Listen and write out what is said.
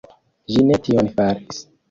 Ĝi ne tion faris.